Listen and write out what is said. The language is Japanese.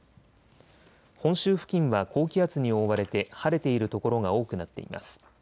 本州付近は高気圧に覆われて晴れている所が多くなっています。